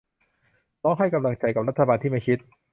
ร้องไห้กำลังใจกับรัฐบาลที่ไม่คิด